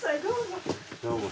どうぞ。